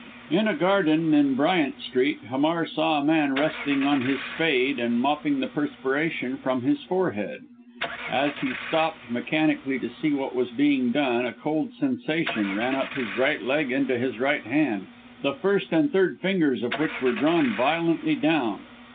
In a garden in Bryant Street, Hamar saw a man resting on his spade and mopping the perspiration from his forehead. As he stopped mechanically to see what was being done, a cold sensation ran up his right leg into his right hand, the first and third fingers of which were drawn violently down.